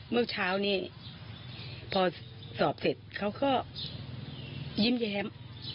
เมื่อเช้านี้พอสอบเสร็จเขาก็ยิ้มแย้ม